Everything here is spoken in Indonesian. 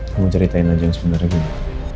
kamu ceritain aja yang sebenarnya gini